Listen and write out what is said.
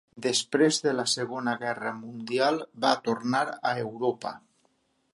Després de la Segona Guerra Mundial va tornar a Europa.